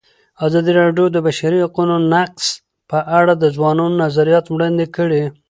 ازادي راډیو د د بشري حقونو نقض په اړه د ځوانانو نظریات وړاندې کړي.